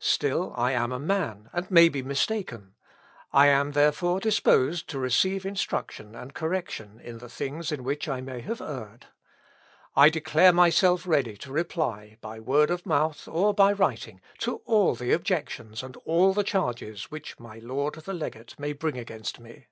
Still I am a man, and maybe mistaken. I am, therefore, disposed to receive instruction and correction in the things in which I may have erred. I declare myself ready to reply, by word of mouth or by writing, to all the objections and all the charges which my lord the legate may bring against me.